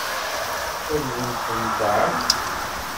Ad wen-ten-teɛṛeḍ?